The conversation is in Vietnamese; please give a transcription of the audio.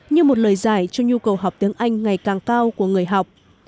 như một lời giải cho nhu cầu học tiếng anh ngày càng cao của người học